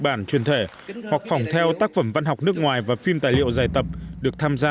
bản truyền thể hoặc phỏng theo tác phẩm văn học nước ngoài và phim tài liệu dài tập được tham gia